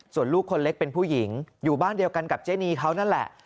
ส่วนลูกคนเล็กเป็นผู้หญิงอยู่บ้านเดียวกันกับเจนีเขานั่นแหละ